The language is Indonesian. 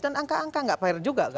dan angka angka gak fair juga